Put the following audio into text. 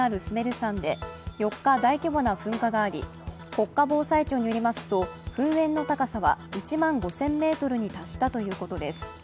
山で４日、大規模な噴火があり国家防災庁によりますと、噴煙の高さは１万５０００ｍに達したということです。